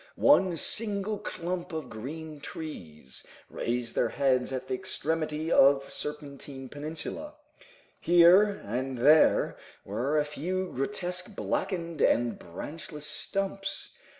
One single clump of green trees raised their heads at the extremity of Serpentine Peninsula. Here and there were a few grotesque blackened and branchless stumps.